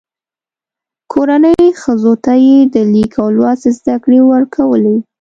کورنۍ ښځو ته یې د لیک او لوست زده کړې ورکولې.